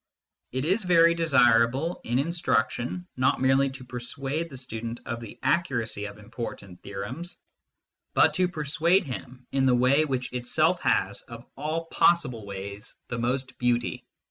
It is very desirable, in instruction, not merely to per suade the student of the accuracy of important theorems, but to persuade him in the way which itself has, of all possible ways, the most beauty.